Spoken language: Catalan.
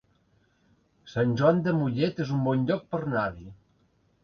Sant Joan de Mollet es un bon lloc per anar-hi